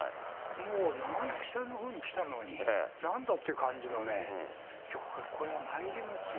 もう北のほうに来たのに、なんだって感じのね、やっぱりこれはまいりますよ。